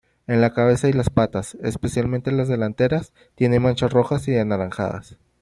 En la cabeza y las patas, especialmente las delanteras, tiene manchas rojas o anaranjadas.